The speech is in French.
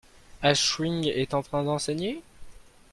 Ashwin est en train d'enseigner ?